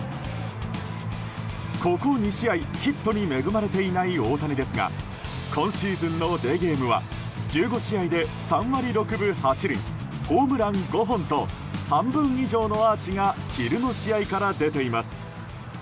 ここ２試合、ヒットに恵まれていない大谷ですが今シーズンのデーゲームは１５試合で３割６分８厘ホームラン５本と半分以上のアーチが昼の試合から出ています。